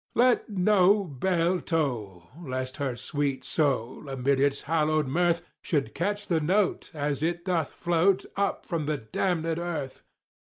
Let no bell toll!—lest her sweet soul, amid its hallowed mirth, Should catch the note, as it doth float up from the damned Earth.